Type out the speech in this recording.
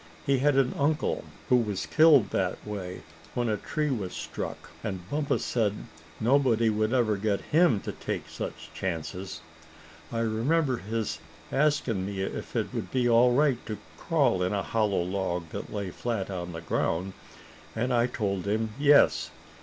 He had an uncle who was killed that way when a tree was struck; and Bumpus said nobody would ever get him to take such chances. I remember his asking me if it would be all right to crawl in a hollow log that lay flat on the ground, and I told him yes.